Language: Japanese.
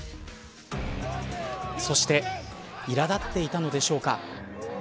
そうしていらだっていたのでしょうか。